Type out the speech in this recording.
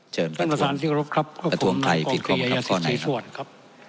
เชิญประท้วงประท้วงใครผิดความประคับข้อไหนครับ